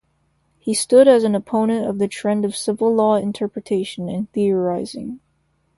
He stood as an opponent of the trend of civil law interpretation and theorising.